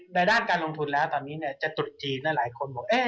ด้านการลงทุนแล้วตอนนี้จะตรุษจีนหลายคนบอก